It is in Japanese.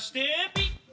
ピッ！